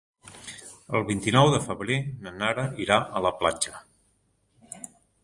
El vint-i-nou de febrer na Nara irà a la platja.